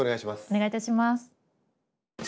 お願いいたします。